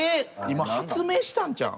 今発明したんちゃう？